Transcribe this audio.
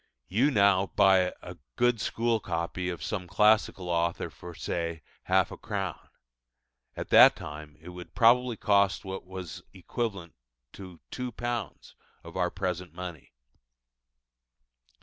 You now buy a good school copy of some classical author for, say, half a crown: at that time it would probably cost what was equivalent to £2 of our present money.